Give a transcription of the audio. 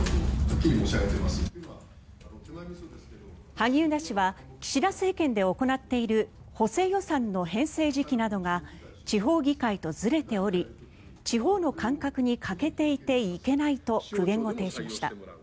萩生田氏は岸田政権で行っている補正予算の編成時期などが地方議会とずれており地方の感覚に欠けていていけないと苦言を呈しました。